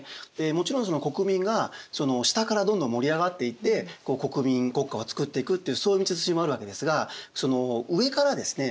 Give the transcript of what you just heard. もちろん国民が下からどんどん盛り上がっていって国民国家を作っていくっていうそういう道筋もあるわけですが上からですね